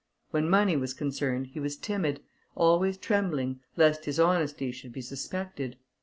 When money was concerned, he was timid, always trembling, lest his honesty should be suspected.